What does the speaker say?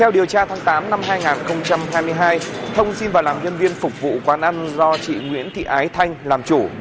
theo điều tra tháng tám năm hai nghìn hai mươi hai thông xin vào làm nhân viên phục vụ quán ăn do chị nguyễn thị ái thanh làm chủ